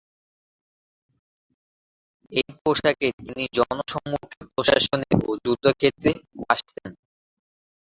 এই পোশাকে তিনি জনসম্মুখে, প্রশাসনে ও যুদ্ধক্ষেত্রে আসতেন।